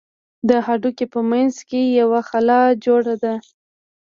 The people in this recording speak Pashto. د هډوکي په منځ کښې يوه خلا جوړه ده.